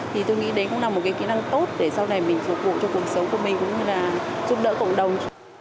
thì tôi nghĩ đấy cũng là một cái kỹ năng tốt để sau này mình phục vụ cho cuộc sống của mình cũng như là giúp đỡ cộng đồng